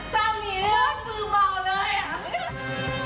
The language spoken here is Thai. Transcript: เจ้ามีเหลือตื่นเบาเลย